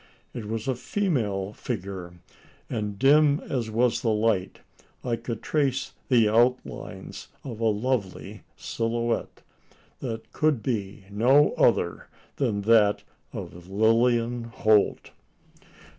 It was a female figure; and, dim as was the light, I could trace the outlines of a lovely silhouette, that could be no other than that of Lilian Holt.